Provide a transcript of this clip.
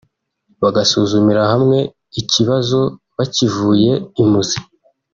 bagasuzumira hamwe ikibazo bakivuye imuzi